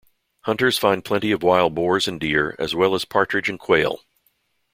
Hunters find plenty of wild boars and deer, as well as partridge and quail.